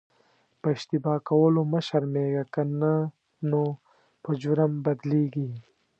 په اشتباه کولو مه شرمېږه که نه نو په جرم بدلیږي.